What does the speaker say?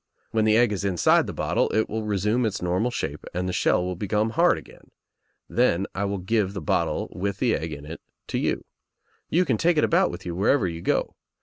When the egg is inside the bottle it will resume its normal shape and the ahell will become hard again. Then I will give the botde with the egg in it to you. You can take it about with you wherever you go.